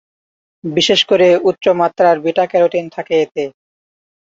বিশেষ করে উচ্চমাত্রার বিটা ক্যারোটিন থাকে এতে।